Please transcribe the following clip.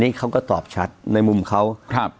อันนี้เขาก็ตอบชัดในมุมเขา